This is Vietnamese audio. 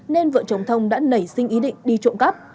nên vợ chồng thông đã nảy sinh ý định đi trộm cắp